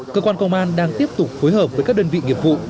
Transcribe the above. cơ quan công an đang tiếp tục phối hợp với các đơn vị nghiệp vụ